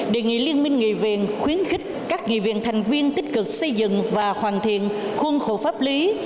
đề nghị liên minh nghị viện khuyến khích các nghị viện thành viên tích cực xây dựng và hoàn thiện khuôn khổ pháp lý